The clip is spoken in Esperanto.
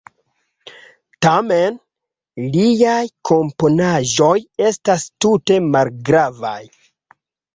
Tamen liaj komponaĵoj estas tute malgravaj.